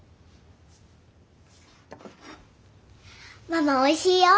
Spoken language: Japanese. ママおいしいよ。